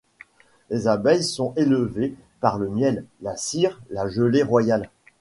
Les abeilles sont élevées pour le miel, la cire, la gelée royale